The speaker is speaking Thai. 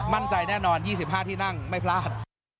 มั่นใจแน่นอน๒๕ที่นั่งไม่พลาด